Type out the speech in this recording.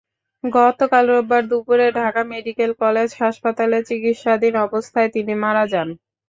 গতকাল রোববার দুপুরে ঢাকা মেডিকেল কলেজ হাসপাতালে চিকিৎসাধীন অবস্থায় তিনি মারা যান।